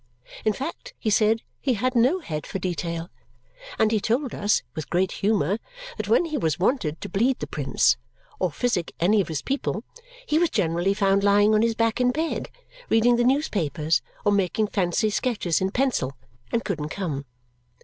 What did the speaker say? In fact, he said, he had no head for detail. And he told us, with great humour, that when he was wanted to bleed the prince or physic any of his people, he was generally found lying on his back in bed, reading the newspapers or making fancy sketches in pencil, and couldn't come.